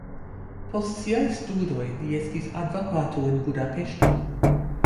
Post siaj studoj li estis advokato en Budapeŝto.